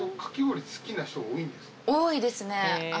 多いですね。